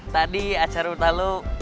tadi acar uta lo